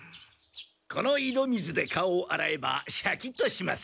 このいど水で顔を洗えばシャキッとします。